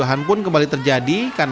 hal ini juga terjadi karena